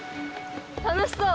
楽しそう！